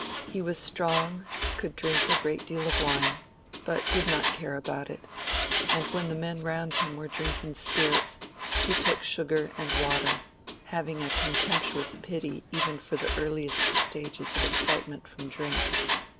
He was strong, could drink a great deal of wine, but did not care about it; and when the men round him were drinking spirits, he took sugar and water, having a contemptuous pity even for the earliest stages of excitement from drink.